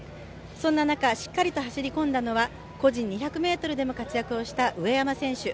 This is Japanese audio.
そんな中しっかりと走り込んだのは個人２００ｍでも活躍した上山選手。